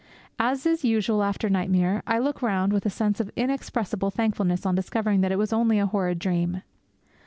As is usual after nightmare, I look round with a sense of inexpressible thankfulness on discovering that it was only a horrid dream.